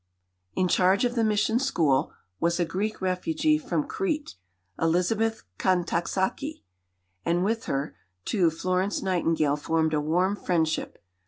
In charge of the mission school was a Greek refugee from Crete, Elizabeth Kontaxaki, and with her too Florence Nightingale formed a warm friendship.